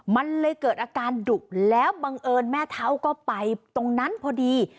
มันเลยเกิดอาการดุแล้วบังเอิญแม่เท้าก็ไปตรงนั้นพอดี